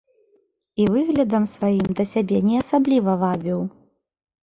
І выглядам сваім да сябе не асабліва вабіў.